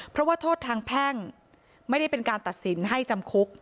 เพราะว่าโทษทางแพ่งไม่ได้เป็นการตัดสินให้จำคุก